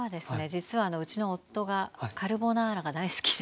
実はうちの夫がカルボナーラが大好きで。